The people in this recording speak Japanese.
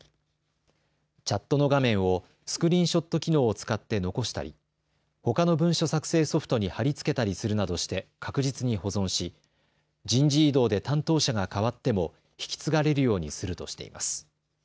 チャットの画面をスクリーンショット機能を使って残したり、ほかの文書作成ソフトに貼り付けたりするなどして確実に保存し人事異動で担当者がかわっても引き継がれるようにするとしています。